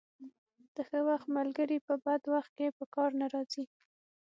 د ښه وخت ملګري په بد وخت کې په کار نه راځي.